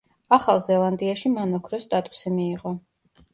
ახალ ზელანდიაში მან ოქროს სტატუსი მიიღო.